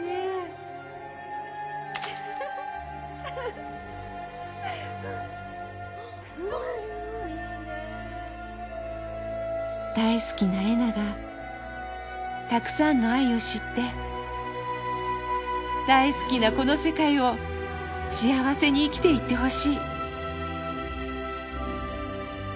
カメラのシャッター音「大好きなえながたくさんの愛を知って大好きなこの世界を幸せに生きていってほしい」。